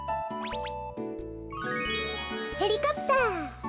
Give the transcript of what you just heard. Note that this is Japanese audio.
ヘリコプター！